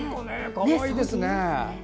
かわいいですね！